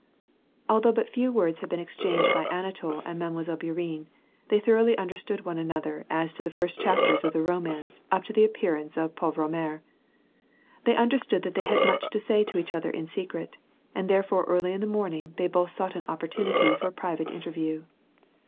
I Although but few words had been exchanged by Anatol and • Mile. Bourienne, they thoroughly understood one another as • to the first chapters of the romance, up to the appearance of pauure mere : they understood that they had much to say to each other in secret, and therefore early in the morning tbey , both sought an opportunity for a private interview.